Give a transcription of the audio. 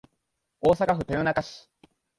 大阪府豊中市